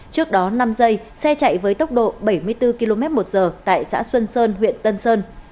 trước đó năm giây xe chạy với tốc độ bảy mươi bốn km một giờ tại xã xuân sơn huyện tân sơn